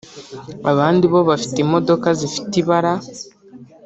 Abandi bo bafite imodoka zifite ibara